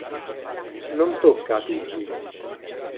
Non tocca a tutti.